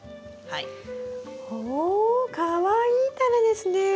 はい。おかわいいタネですね！